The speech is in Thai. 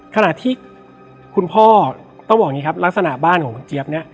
ขณะที่คุณพ่อต้องบอกอย่างนี้ครับลักษณะบ้านของคุณเจี๊ยบเนี่ย